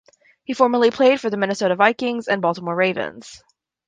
He formerly played for the Minnesota Vikings and Baltimore Ravens.